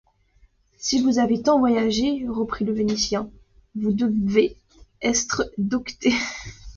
Si vous avez tant voyagé, reprit le Venitien, vous debvez estre docte.